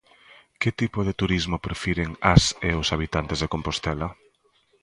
Que tipo de turismo prefiren as e os habitantes de Compostela?